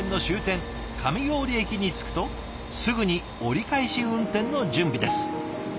上郡駅に着くとすぐに折り返し運転の準備です。